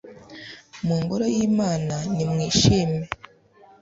mu ngoro y'imana nimwishime